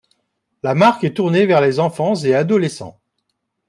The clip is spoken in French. La marque est tournée vers les enfants et adolescents.